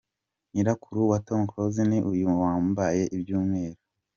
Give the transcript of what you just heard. Nyirakuru wa Tom Close ni uyu wambaye iby'umweru.